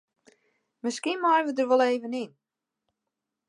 Miskien meie we der wol even yn.